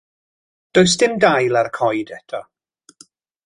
Does dim dail ar y coed eto.